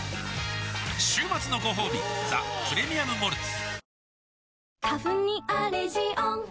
週末のごほうび「ザ・プレミアム・モルツ」